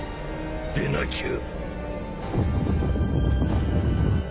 でなきゃ。